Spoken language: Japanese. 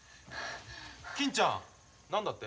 金ちゃん何だって？